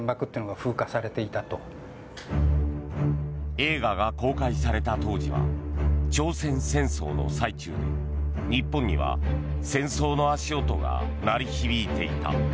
映画が公開された当時は朝鮮戦争の最中で日本には戦争の足音が鳴り響いていた。